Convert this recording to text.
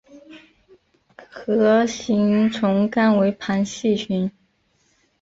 核形虫纲为旁系群。